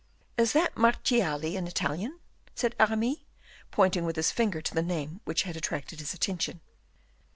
"Is that Marchiali an Italian?" said Aramis, pointing with his finger to the name which had attracted his attention.